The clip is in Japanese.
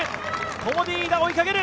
コモディイイダが追いかける。